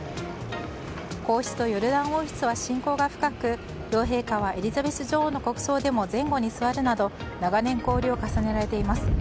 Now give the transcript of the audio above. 皇室とヨルダン王室は親交が深く、両陛下はエリザベス女王の国葬でも前後に座るなど長年交流を重ねられています。